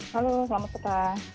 halo selamat petang